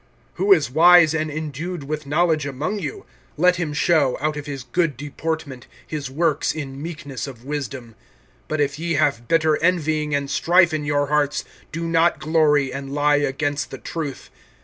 (13)Who is wise and endued with knowledge among you? Let him show, out of his good deportment, his works in meekness of wisdom. (14)But if ye have bitter envying and strife in your hearts, do not glory, and lie against the truth.